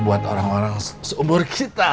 buat orang orang seumur kita